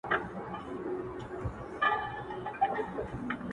چي به ښكار د كوم يو سر خولې ته نژدې سو٫